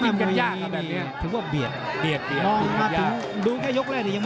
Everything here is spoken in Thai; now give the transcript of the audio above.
มาบุยนี้ตื่น